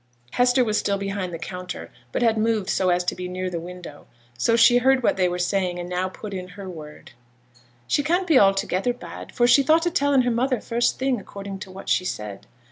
Hester was still behind the counter, but had moved so as to be near the window; so she heard what they were saying, and now put in her word: 'She can't be altogether bad, for she thought o' telling her mother first thing, according to what she said.'